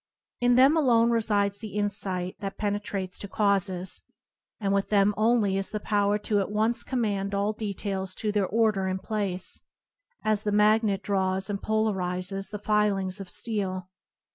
In them alone resides the in sight that penetrates to causes, and with them only is the power to at once command all details to their order and place, as the magnet draws and polarizes the filings of steel.